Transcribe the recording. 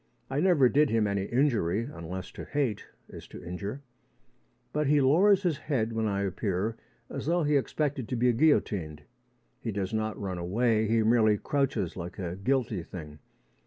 I never did him any injury unless to hate is to injure. But he lowers his head when I appear as though he expected to be guillotined. He does not run away: he merely crouches like a guilty thing.